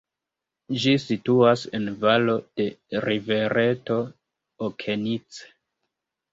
Ĝi situas en valo de rivereto Okenice.